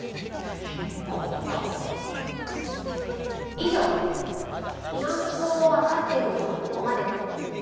以上今のとこわかってるのはここまで。